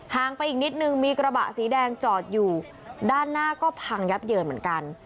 งไปอีกนิดนึงมีกระบะสีแดงจอดอยู่ด้านหน้าก็พังยับเยินเหมือนกัน